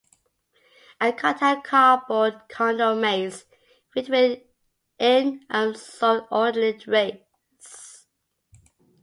A cut-out cardboard condo maze, filled with an insubordinate race.